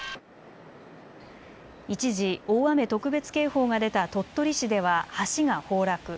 一時、大雨特別警報が出た鳥取市では橋が崩落。